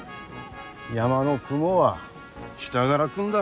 山の雲は下がら来んだ。